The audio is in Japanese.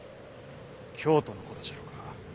京都のことじゃろか？